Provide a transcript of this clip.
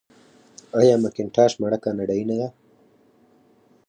آیا مکینټاش مڼه کاناډايي نه ده؟